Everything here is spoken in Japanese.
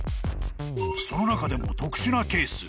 ［その中でも特殊なケース］